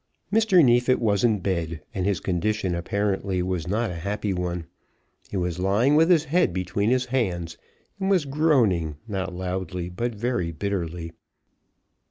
Mr. Neefit was in bed, and his condition apparently was not a happy one. He was lying with his head between his hands, and was groaning, not loudly, but very bitterly.